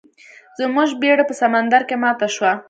زموږ بیړۍ په سمندر کې ماته شوه.